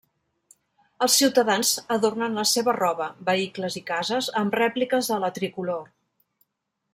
Els ciutadans adornen la seva roba, vehicles i cases amb rèpliques de la tricolor.